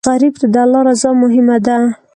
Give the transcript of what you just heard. غریب ته د الله رضا مهمه ده